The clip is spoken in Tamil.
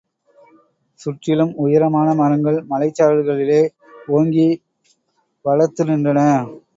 சுற்றிலும் உயரமான மரங்கள் மலைச்சாரல்களிலே ஓங்கி வளர்த்து நின்றன.